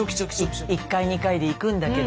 １回２回でいくんだけど。